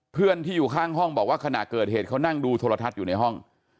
เพื่อนที่อยู่ข้างห้องบอกว่าขณะเกิดเหตุเขานั่งดูโทรทัศน์อยู่ในห้อง